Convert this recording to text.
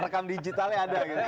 rekam digitalnya ada